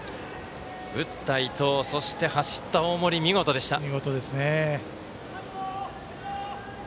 打った伊藤、そして走った大森見事でした。